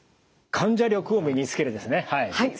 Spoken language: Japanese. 患者力を身につけるですね！